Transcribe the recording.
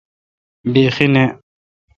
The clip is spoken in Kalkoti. بیخی نہ۔